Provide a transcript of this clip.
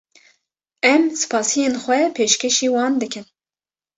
Em spasiyên xwe pêşkeşî wan dikin.